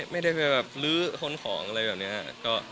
ไม่ได้ไปลื้อค้นของหรือ